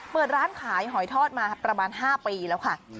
เปิดร้านขายหอยทอดมาประมาณ๕ปีแล้วค่ะ